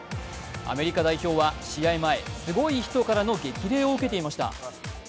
アメリカ代表は試合前、すごい人からの激励を受けていました。